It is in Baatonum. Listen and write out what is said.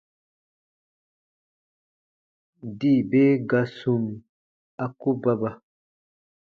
Dii be ga sum, a ku baba.